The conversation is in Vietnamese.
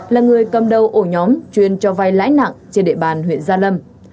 là người cầm đầu ổ nhóm chuyên cho vai lãi nặng trên địa bàn huyện gia lâm